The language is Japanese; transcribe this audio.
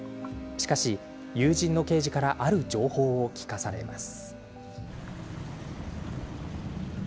しかし、友人の刑事からある情報を聞かされます。